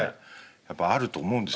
やっぱあると思うんですよ。